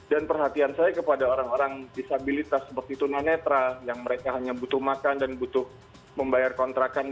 dan perhatian saya kepada orang orang disabilitas seperti tuna netra yang mereka hanya butuh makan dan butuh membayar kontrakan